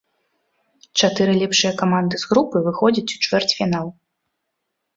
Чатыры лепшыя каманды з групы выходзяць у чвэрцьфінал.